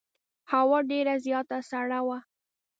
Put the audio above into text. هوا ډېره زیاته سړه وه.